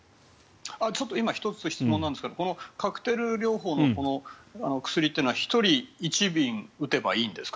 ちょっと１つ質問なんですがカクテル療法の薬っていうのは１人１瓶打てばいいんですか？